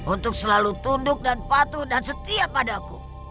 untuk selalu tunduk dan patuh dan setia padaku